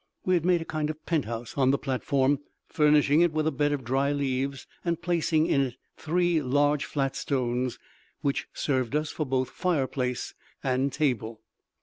We had made a kind of penthouse on the platform, furnishing it with a bed of dry leaves, and placing in it three large flat stones, which served us for both fireplace and table.